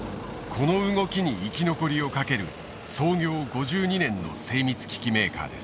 この動きに生き残りをかける創業５２年の精密機器メーカーです。